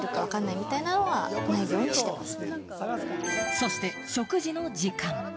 そして、食事の時間。